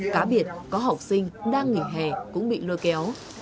cá biệt có học sinh đang nghỉ hè cũng bị lôi kéo